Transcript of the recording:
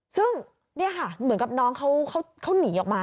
ซึ่งนี่ค่ะเหมือนกับน้องเขาหนีออกมา